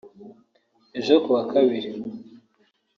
Ejo kuwa kabiri